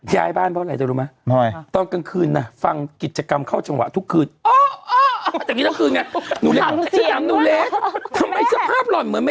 ย้ายบ้านเพราะอะไรจะรู้ไหมตอนกลางคืนฟังกิจกรรมเข้าจังหวะทุกคืน